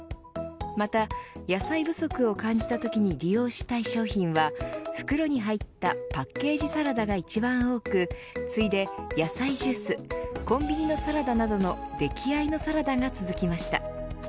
また、野菜不足を感じたときに利用したい商品は袋に入ったパッケージサラダが一番多く次いで野菜ジュースコンビニのサラダなどの出来合いのサラダが続きました。